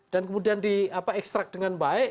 dan kemudian di ekstrak dengan baik